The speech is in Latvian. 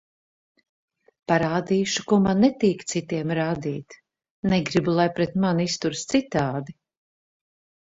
Parādīšu, ko man netīk citiem rādīt, negribu, lai pret mani izturas citādi.